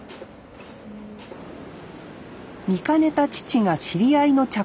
見かねた父が知り合いの茶